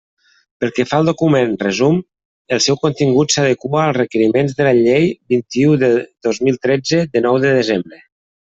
Pel que fa al document resum, el seu contingut s'adequa als requeriments de la Llei vint-i-u de dos mil tretze, de nou de desembre.